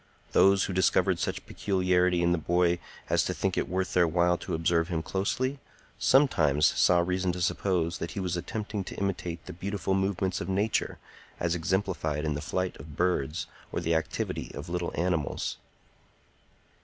Those who discovered such peculiarity in the boy as to think it worth their while to observe him closely, sometimes saw reason to suppose that he was attempting to imitate the beautiful movements of Nature as exemplified in the flight of birds or the activity of little animals.